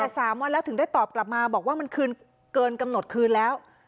แต่๓วันแล้วถึงได้ตอบกลับมาบอกว่ามันคืนเกินกำหนดคืนแล้ว